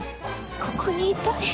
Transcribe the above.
ここにいたい。